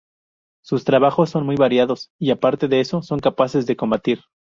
Sus trabajos son muy variados y, aparte de eso, son capaces de combatir.